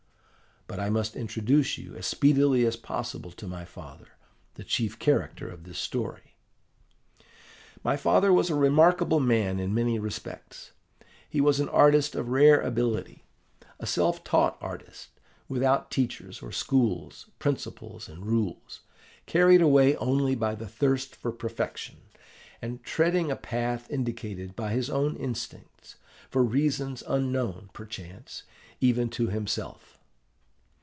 But I must introduce you as speedily as possible to my father, the chief character of this story. "My father was a remarkable man in many respects. He was an artist of rare ability, a self taught artist, without teachers or schools, principles and rules, carried away only by the thirst for perfection, and treading a path indicated by his own instincts, for reasons unknown, perchance, even to himself.